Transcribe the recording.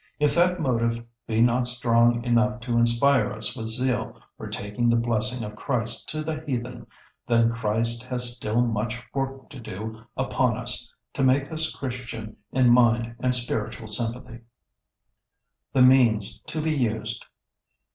If that motive be not strong enough to inspire us with zeal for taking the blessing of Christ to the heathen, then Christ has still much work to do upon us to make us Christian in mind and spiritual sympathy." [Sidenote: The means to be used.